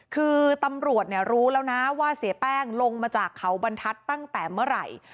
คือตำรวจรู้แล้วนะว่าเสียแป้งลงมาจากเขาบรรทัศน์ตั้งแต่เมื่อไหร่